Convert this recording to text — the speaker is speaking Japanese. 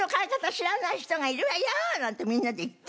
知らない人がいるわよ」なんてみんなで言って。